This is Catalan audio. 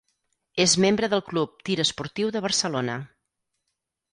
És membre del club Tir Esportiu de Barcelona.